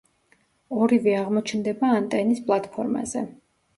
ორივე აღმოჩნდება ანტენის პლატფორმაზე.